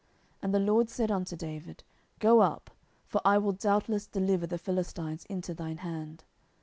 And the LORD said unto David, Go up: for I will doubtless deliver the Philistines into thine hand.